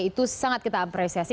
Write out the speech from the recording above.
itu sangat kita apresiasi